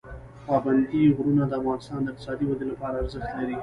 پابندي غرونه د افغانستان د اقتصادي ودې لپاره ارزښت لري.